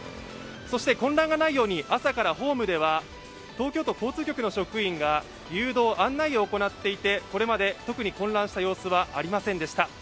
そして混乱がないように朝からホームでは東京都交通局の職員が誘導・案内を行っていてこれまで特に混乱した様子はありませんでした。